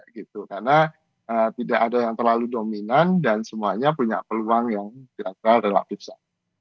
karena tidak ada yang terlalu dominan dan semuanya punya peluang yang kira kira relatif besar